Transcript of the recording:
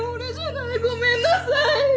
ごめんなさい。